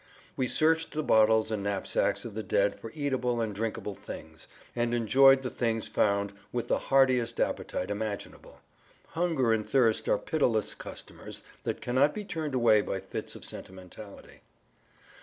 We searched the bottles and knapsacks of the dead for eatable and drinkable things, and enjoyed the things found with the heartiest appetite imaginable. Hunger and thirst are pitiless customers that cannot be turned away by fits of sentimentality.